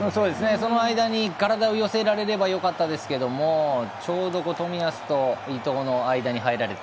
その間に体を寄せられればよかったんですけれどもちょうど冨安と伊東の間に入られた。